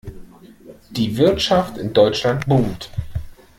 Die Wirtschaft in Deutschland boomt.